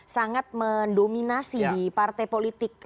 sangat mendominasi di partai politik